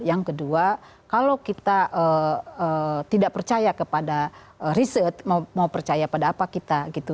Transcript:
yang kedua kalau kita tidak percaya kepada riset mau percaya pada apa kita gitu